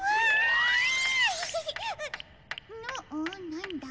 なんだ？